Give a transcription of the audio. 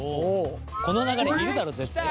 この流れいるだろ絶対。